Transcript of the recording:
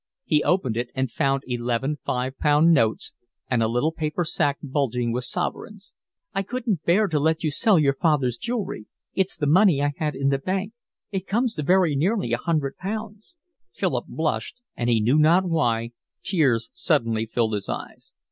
He opened it and found eleven five pound notes and a little paper sack bulging with sovereigns. "I couldn't bear to let you sell your father's jewellery. It's the money I had in the bank. It comes to very nearly a hundred pounds." Philip blushed, and, he knew not why, tears suddenly filled his eyes.